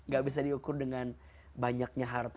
gak bisa diukur dengan banyaknya harta